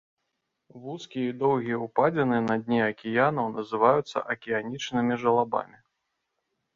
Вузкія і доўгія ўпадзіны на дне акіянаў называюць акіянічнымі жалабамі.